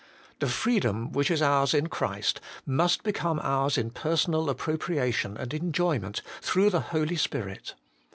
The free dom which is ours in Christ, must become ours in personal appropriation and enjoyment through the Holy Spirit.